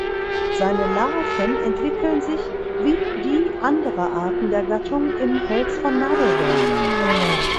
Seine Larven entwickeln sich wie die anderer Arten der Gattung im Holz von Nadelbäumen.